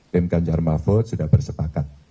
tim ganjar mahfud sudah bersepakat